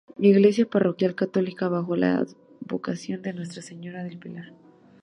Iglesia parroquial católica bajo la advocación de Nuestra Señora del Pilar.